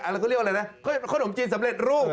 แล้วก็เรียกว่าอะไรนะขนมจีนสำเร็จรูป